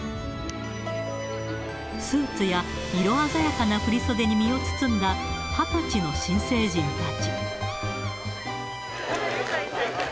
スーツや色鮮やかな振り袖に身を包んだ、２０歳の新成人たち。